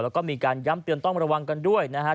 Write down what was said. แล้วก็มีการย้ำเตือนต้องระวังกันด้วยนะครับ